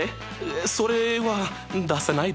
それは出さないで。